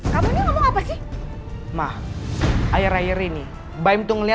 kamu ngapain kesini